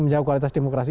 menjawab kualitas demokrasi